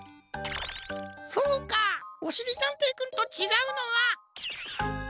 そうかおしりたんていくんとちがうのは。